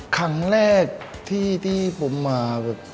ครั้งแรกที่ผมมาแบบ